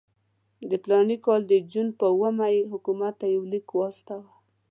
د فلاني کال د جون پر اوومه یې حکومت ته یو لیک واستاوه.